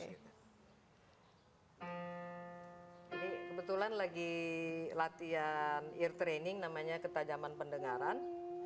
ini kebetulan lagi latihan ear training namanya ketajaman pendengaran